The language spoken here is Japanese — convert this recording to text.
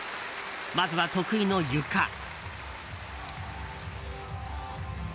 まずは得意の、ゆか。